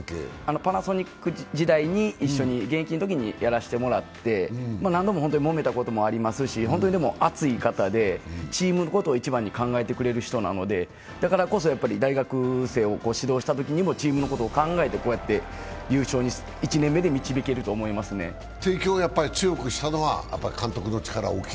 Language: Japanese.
パナソニック時代に一緒に現役のときにやらせてもらって、何度ももめたこともありますしでも熱い方でチームのことを一番に考えてくれる方なのでだからこそ大学生を指導したときにもチームのことを考えて、こうやって優秀に優勝に１年目に導けると思いますね帝京を強くしたのは監督の力大きい？